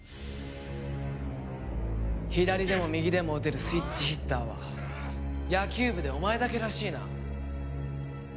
左でも右でも打てるスイッチヒッターは野球部でお前だけらしいな。